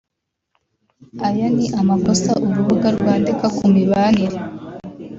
Aya ni amakosa urubuga rwandika ku mibanire